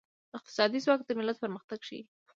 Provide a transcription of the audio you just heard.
اقتصادي ځواک د ملت پرمختګ ښيي.